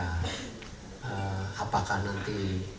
karena apakah nanti